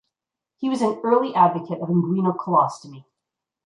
He was an early advocate of inguinal colostomy.